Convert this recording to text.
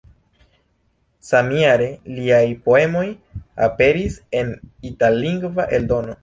Samjare liaj poemoj aperis en itallingva eldono.